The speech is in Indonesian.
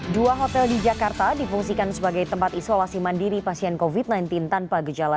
dua hotel di jakarta difungsikan sebagai tempat isolasi mandiri pasien covid sembilan belas tanpa gejala